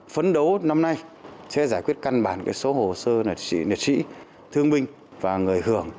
phấn đấu năm nay sẽ giải quyết căn bản số hồ sơ liệt sĩ thương binh và người hưởng